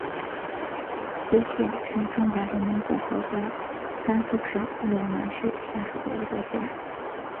徽县是中华人民共和国甘肃省陇南市下属的一个县。